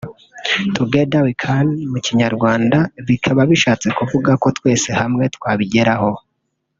'Together we can' mu kinyarwanda bikaba bishatse kuvuga ngo 'Twese hamwe twabigeraho'